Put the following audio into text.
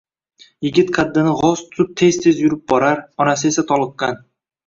Yigit qaddini g’oz tutib tez-tez yurib borar, ona esa toliqqan